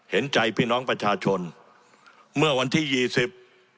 เห็นใจพี่น้องประชาชนเมื่อวันที่ยี่สิบ